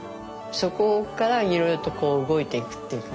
そこからいろいろとこう動いていくっていうかね